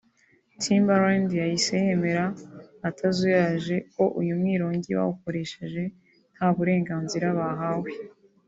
Timberland yahise yemera atazuyaje ko uyu mwirongi bawukoresheje nta burenganzira bahawe